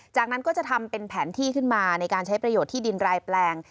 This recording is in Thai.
จากนั้นก็จะทำเป็นแผนที่ขึ้นมาในการใช้ประโยชน์ที่ดินรายแปลง